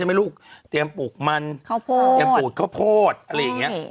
เอาไปเตรียมฝูกข้าวโพธิ